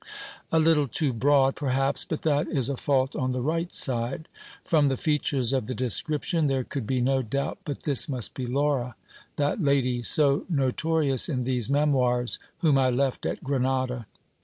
A little too broad, perhaps, but that is a fault on the right side. From the features of the description, there could be no doubt but this must be Laura ; that lady so notorious in these memoirs, whom I left at Grenada.